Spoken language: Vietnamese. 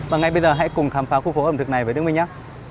và ngay bây giờ hãy cùng khám phá khu phố ẩm thực này với đức minh nhé